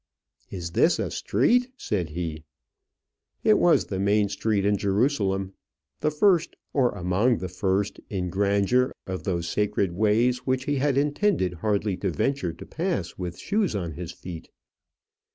"Is this a street?" said he. It was the main street in Jerusalem. The first, or among the first in grandeur of those sacred ways which he had intended hardly to venture to pass with shoes on his feet.